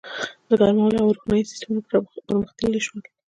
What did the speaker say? • د ګرمولو او روښنایۍ سیستمونه پرمختللي شول.